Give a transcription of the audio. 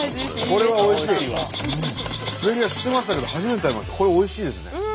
これおいしいですね。